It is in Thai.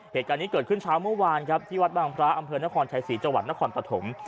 เหตุการณ์นี้เกิดขึ้นเช้าเมื่อวานครับที่วัดบางพระอำเภอนครชัยศรีจังหวัดนครปฐม